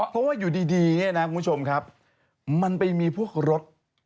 เพราะว่าอยู่ดีเนี่ยนะคุณผู้ชมครับมันไปมีพวกรถ